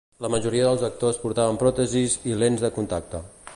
La majoria dels actors portaven pròtesis i lents de contacte.